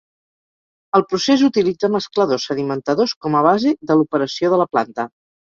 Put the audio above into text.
El procés utilitza mescladors sedimentadors com a base de l'operació de la planta.